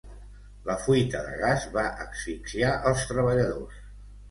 La fuita de gas va asfixiar els treballadors.